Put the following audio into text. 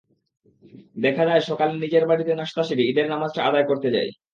দেখা যায় সকালে নিজের বাড়িতে নাশতা সেরে ঈদের নামাজটা আদায় করতে যাই।